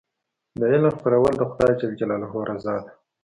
د علم خپرول د خدای رضا ده.